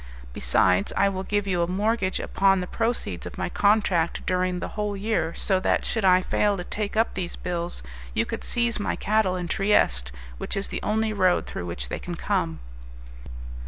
Besides, I will give you a mortgage upon the proceeds of my contract during the whole year, so that, should I fail to take up these bills, you could seize my cattle in Trieste, which is the only road through which they can come."